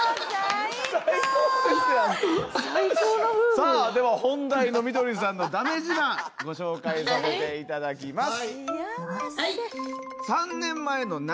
さあでは本題のみどりさんのだめ自慢ご紹介させていただきます。